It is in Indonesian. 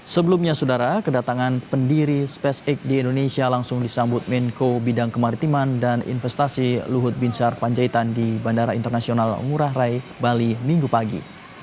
sebelumnya saudara kedatangan pendiri spesifik di indonesia langsung disambut menko bidang kemaritiman dan investasi luhut binsar panjaitan di bandara internasional ngurah rai bali minggu pagi